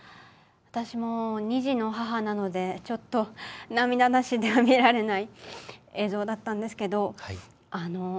私も２児の母なのでちょっと涙なしでは見られない映像だったんですけど。